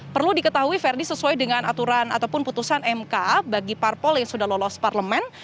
perlu diketahui ferdi sesuai dengan aturan ataupun putusan mk bagi parpol yang sudah lolos parlemen